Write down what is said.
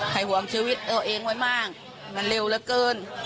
ห่วงชีวิตตัวเองไว้มากมันเร็วเหลือเกิน